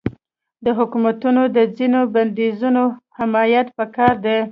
د حکومتونو د ځینو بندیزونو حمایت پکار دی.